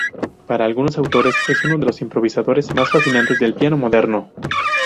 Para algunos autores, es uno de los "improvisadores más fascinantes del piano moderno".